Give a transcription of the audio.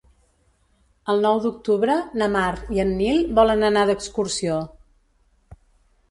El nou d'octubre na Mar i en Nil volen anar d'excursió.